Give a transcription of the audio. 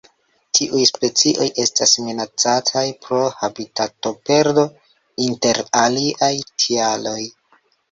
Tiuj specioj estas minacataj pro habitatoperdo, inter aliaj tialoj.